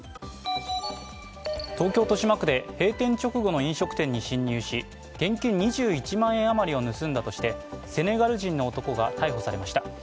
東京・豊島区で閉店直後の飲食店に侵入し現金２１万円余りを盗んだとしてセネガル人の男が逮捕されました。